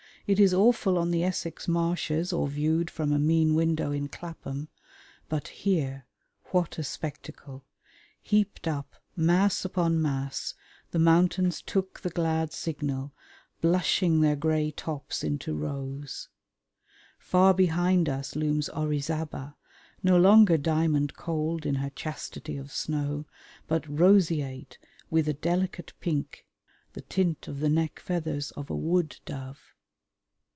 It is awful on the Essex marshes or viewed from a mean window in Clapham. But here, what a spectacle! Heaped up, mass upon mass, the mountains took the glad signal, blushing their grey tops into rose. Far behind us looms Orizaba, no longer diamond cold in her chastity of snow, but roseate with a delicate pink, the tint of the neck feathers of a wood dove.